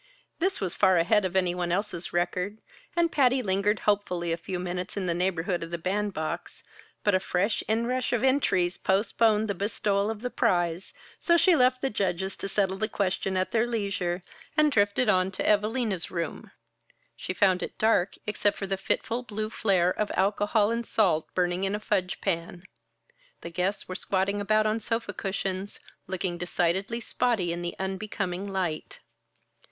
This was far ahead of anyone else's record, and Patty lingered hopefully a few minutes in the neighborhood of the bandbox; but a fresh inrush of entries postponed the bestowal of the prize, so she left the judges to settle the question at their leisure, and drifted on to Evalina's room. She found it dark, except for the fitful blue flare of alcohol and salt burning in a fudge pan. The guests were squatting about on sofa cushions, looking decidedly spotty in the unbecoming light.